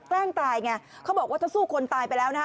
แกล้งตายไงเขาบอกว่าถ้าสู้คนตายไปแล้วนะฮะ